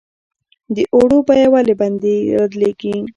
د اوړو بیه ولې بدلیږي؟